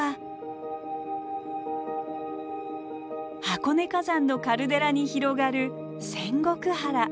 箱根火山のカルデラに広がる仙石原。